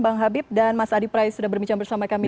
bang habib dan mas adi pray sudah berbicara bersama kami